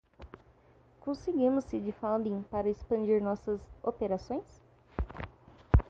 Conseguimos seed funding para expandir nossas operações.